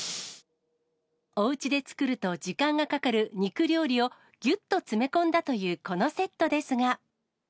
おうちで作ると時間がかかる肉料理を、ぎゅっと詰め込んだというこのセットですが。